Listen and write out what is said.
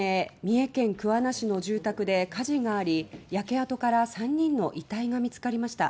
重県桑名市の住宅で火事があり焼け跡から３人の遺体が見つかりました。